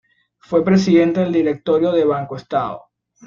Fue presidente del directorio de BancoEstado.